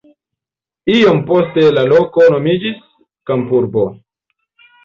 Iom poste la loko nomiĝis kampurbo.